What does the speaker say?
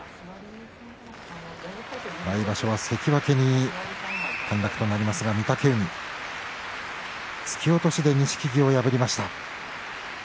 来場所は関脇に陥落となりますが御嶽海突き落としで錦木を破りました。